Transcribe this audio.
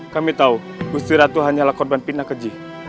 kami tahu gusti ratu hanyalah korban pindah keji